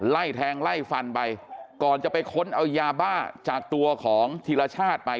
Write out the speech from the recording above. ไล่แทงไล่ฟันไปก่อนจะไปค้นเอายาบ้าจากตัวของธีรชาติไป